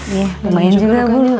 iya lumayan juga bulunya nih